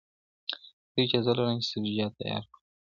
زه اجازه لرم چي سبزېجات تيار کړم!!